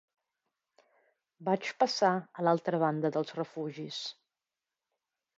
Vaig passar a l'altra banda dels refugis